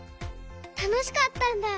たのしかったんだ。